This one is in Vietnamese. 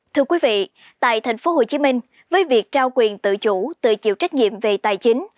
thưa quý vị tại tp hcm với việc trao quyền tự chủ tự chịu trách nhiệm về tài chính